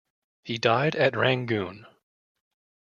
He died at Rangoon.